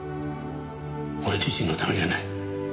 俺自身のためじゃない。